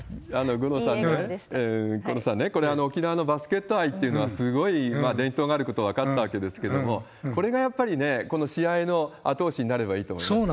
五郎さんね、これ、沖縄のバスケット愛っていうのは、すごい伝統があることが分かったわけですけれども、これがやっぱりね、この試合の後押しになればいいと思いますね。